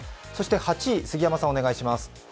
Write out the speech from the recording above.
そして８位、杉山さんお願いします。